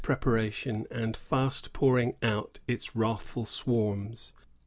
preparation, and fast pouring out its wrathful swarms.